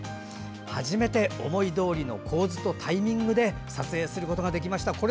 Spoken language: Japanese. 初めて思いどおりの構図とタイミングで撮影することができました。